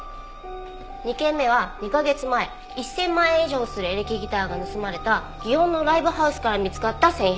２件目は２カ月前１０００万円以上するエレキギターが盗まれた園のライブハウスから見つかった繊維片。